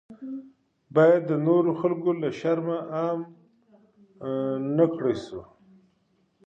باید د نورو خلکو له شرمه عام نکړای شي.